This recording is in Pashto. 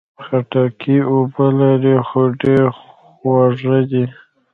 خټکی اوبه لري، خو ډېر خوږه ده.